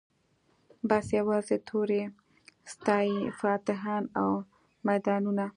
بس یوازي توري ستايی فاتحان او میدانونه